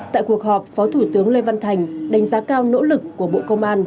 tại cuộc họp phó thủ tướng lê văn thành đánh giá cao nỗ lực của bộ công an